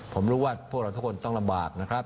ผมรู้ว่าพวกเราทุกคนต้องลำบากนะครับ